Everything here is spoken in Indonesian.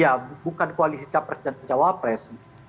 ya bukan koalisi capres dan cawapres